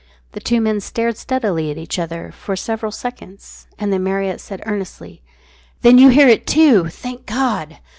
The two men stared steadily at each other for several seconds, and then Marriott said earnestly "Then you hear it too, thank God!"